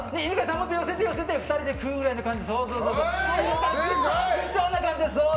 もっと寄せて２人で食うぐらいの感じ。